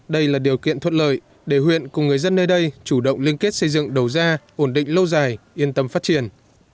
đây là điều kiện thuận lợi để huyện cùng người dân nơi đây chủ động liên kết xây dựng đầu ra ổn định lâu dài yên tâm phát triển